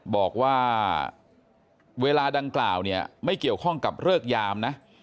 บอกว่าเวลาดังกล่าวเนี่ยไม่เกี่ยวข้องกับเลิกยามนะ